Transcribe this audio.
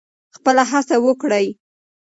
خپله هڅه وکړئ.